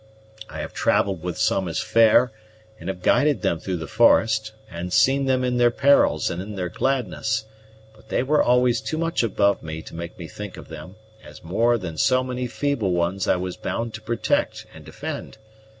I have travelled with some as fair, and have guided them through the forest, and seen them in their perils and in their gladness; but they were always too much above me to make me think of them as more than so many feeble ones I was bound to protect and defend.